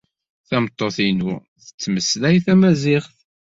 Tameṭṭut-inu tettmeslay tamaziɣt.